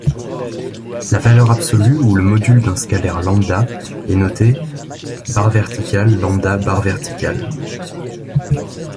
La valeur absolue ou le module d'un scalaire λ est noté |λ|.